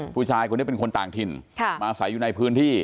ผู้ชายคนนี้เป็นคนต่างถิ่นมาใส่อยู่ในพื้นที่